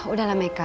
udah lah meka